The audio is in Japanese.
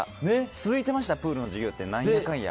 続いてましたプールの授業って、何やかんや。